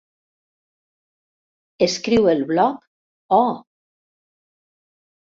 Escriu el blog Oh!